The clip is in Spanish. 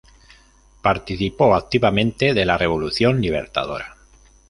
Participó activamente de la "Revolución Libertadora".